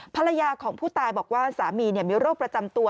ภรรยาของผู้ตายบอกว่าสามีมีโรคประจำตัว